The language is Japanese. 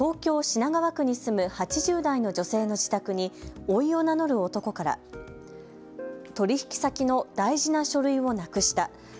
品川区に住む８０代の女性の自宅に、おいを名乗る男から取引先の大事な書類をなくした。